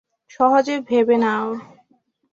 সহজ ভাবে নেও।